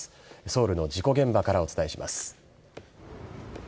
ソウルの事故現場からお伝えします。